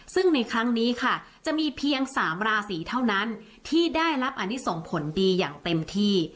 ซึ่งในครั้งนี้ค่ะจะมีเพียง๓ราศีเท่านั้นที่ได้รับอันนี้ส่งผลดีอย่างเต็มที่